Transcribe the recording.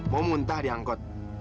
mau muntah di angkot